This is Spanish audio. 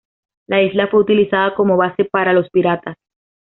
La isla fue utilizada como base para los piratas.